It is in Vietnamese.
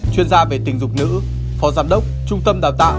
chuyên gia về tình dục nữ phó giám đốc trung tâm đào tạo